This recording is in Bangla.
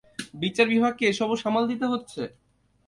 বিচার বিভাগকে এসবও সামাল দিতে হচ্ছে।